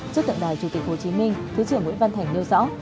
trước tượng đài chủ tịch hồ chí minh thứ trưởng nguyễn văn thành nêu rõ